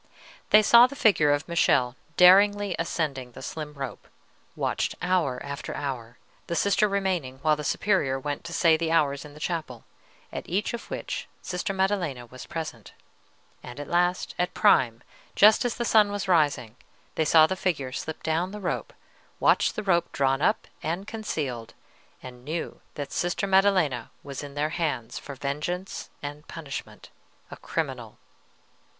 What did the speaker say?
They saw the figure of Michele daringly ascending the slim rope; watched hour after hour, the Sister remaining while the Superior went to say the hours in the chapel, at each of which Sister Maddelena was present; and at last, at prime, just as the sun was rising, they saw the figure slip down the rope, watched the rope drawn up and concealed, and knew that Sister Maddelena was in their hands for vengeance and punishment, a criminal.